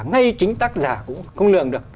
ngay chính tác giả cũng không lường được